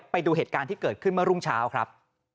ไปดูเหตุการณ์ที่เกิดขึ้นเมื่อรุ่งเช้าครับ